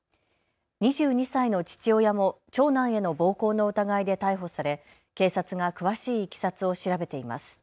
２２歳の父親も長男への暴行の疑いで逮捕され、警察が詳しいいきさつを調べています。